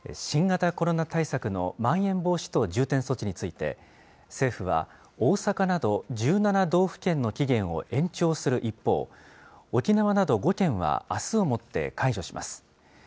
新型コロナ対策のまん延防止等重点措置について、政府は大阪など１７道府県の期限を延長する一方、沖縄など５県はあすをもって解除します。